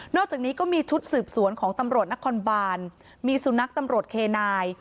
อกจากนี้ก็มีชุดสืบสวนของตำรวจนครบานมีสุนัขตำรวจเคนาย